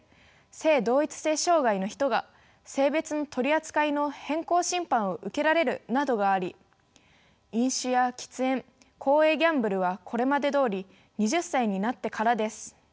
性同一性障害の人が性別の取り扱いの変更審判を受けられるなどがあり飲酒や喫煙公営ギャンブルはこれまでどおり２０歳になってからです。